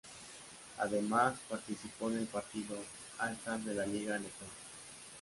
Además, participó en el partido del All Star de la liga letona.